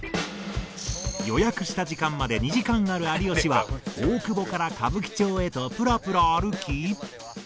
予約した時間まで２時間ある有吉は大久保から歌舞伎町へとぷらぷら歩き